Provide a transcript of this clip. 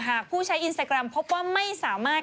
๑หากผู้ใช้อินสเตอร์กรัมพบว่าไม่สามารถ